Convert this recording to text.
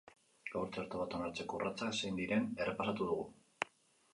Gaur, txerto bat onartzeko urratsak zein diren errepasatu dugu.